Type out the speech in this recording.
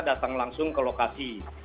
datang langsung ke lokasi